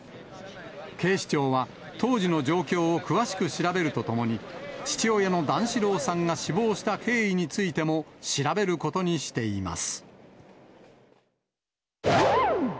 警視庁は、当時の状況を詳しく調べるとともに、父親の段四郎さんが死亡した経緯についても、調べることにしています。